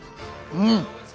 うん！